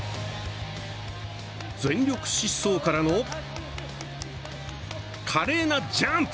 全力疾走からの華麗なジャンプ！